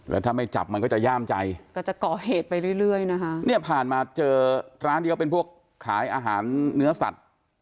แล้วถ้าไม่จับมันก็จะย่ามใจก็จะก่อเหตุไปเรื่อยเรื่อยนะคะเนี่ยผ่านมาเจอร้านที่เขาเป็นพวกขายอาหารเนื้อสัตว์